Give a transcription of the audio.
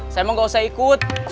saya emang gak usah ikut